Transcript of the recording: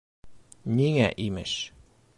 — Ниңә, имеш.